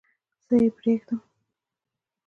څه یې پرېږدم؟